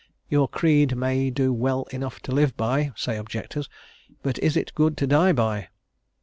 "Your creed may do well enough to live by," say objectors, "but is it good to die by?"